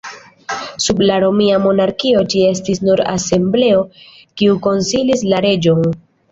Sub la Romia monarkio, ĝi estis nur asembleo kiu konsilis la reĝon.